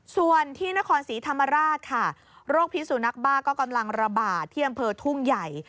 ส่วนที่นครศรีธรรมราชค่ะโรคพิสุนักบ้าก็กำลังระบาดที่อำเภอทุ่งใหญ่